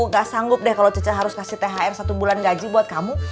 gak sanggup deh kalau caca harus kasih thr satu bulan gaji buat kamu